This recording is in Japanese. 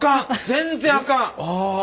全然あかん！